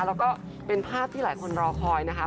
แล้วก็เป็นภาพที่หลายคนรอคอยนะคะ